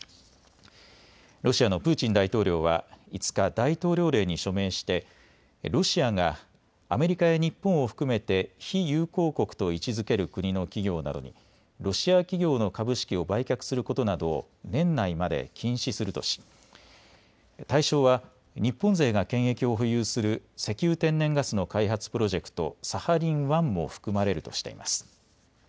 ロシアのプーチン大統領は５日、大統領令に署名してロシアがアメリカや日本を含めて非友好国と位置づける国の企業などにロシア企業の株式を売却することなどを年内まで禁止するとし、対象は日本勢が権益を保有する石油・天然ガスの開発プロジェクト、サハリン１も含まれるとしています。